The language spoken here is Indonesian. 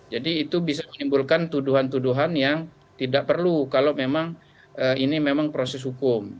jadi itu bisa menimbulkan tuduhan tuduhan yang tidak perlu kalau memang ini memang proses hukum